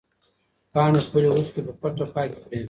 پاڼې خپلې اوښکې په پټه پاکې کړې.